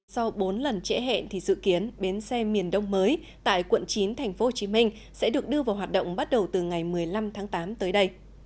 sau bốn lần trễ hẹn thì dự kiến bến xe miền đông mới tại quận chín tp hcm sẽ được đưa vào hoạt động bắt đầu từ ngày một mươi năm tháng tám tới đây